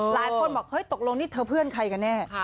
หลายคนบอกเฮ้ยตกลงนี่เธอเพื่อนใครกันแน่